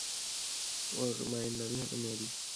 ওর মায়ের নামই হলো মেরি।